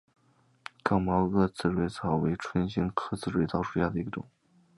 刚毛萼刺蕊草为唇形科刺蕊草属下的一个种。